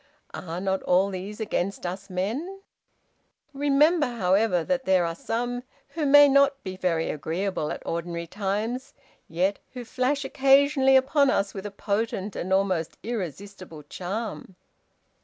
Are not all these against us men? Remember, however, that there are some who may not be very agreeable at ordinary times, yet who flash occasionally upon us with a potent and almost irresistible charm."